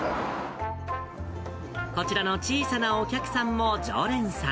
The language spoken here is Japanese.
こちらの小さなお客さんも常連さん。